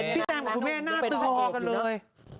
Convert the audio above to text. พี่แซมกับคุณแม่หน้าตึงวะหอกันเลย